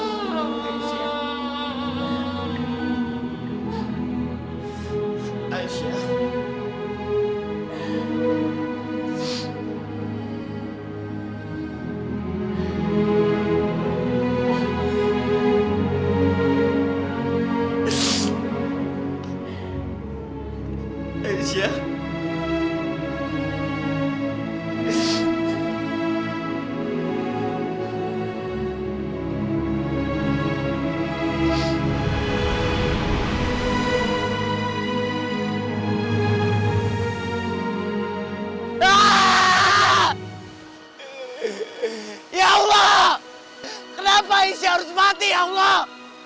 kenapa aisyah harus mati ya allah